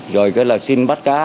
rồi xin bắt cá